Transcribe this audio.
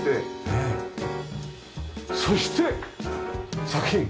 そして作品！